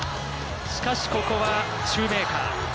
しかしここはシューメーカー。